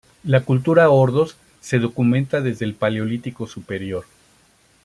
La cultura ordos se documenta desde el Paleolítico Superior.